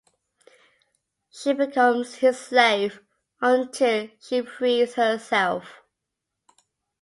She becomes his slave until she frees herself.